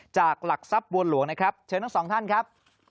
จากหลักทรัพย์บัวหลวงนะครับเชิญทั้งสองท่านครับ